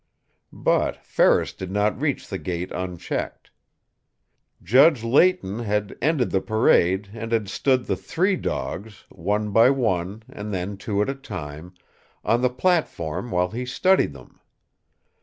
But Ferris did not reach the gate unchecked. Judge Leighton had ended the parade and had stood the three dogs, one by one and then two at a time, on the platform while he studied them.